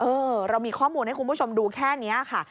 เออเรามีข้อมูลให้คุณผู้ชมดูแค่นี้ค่ะ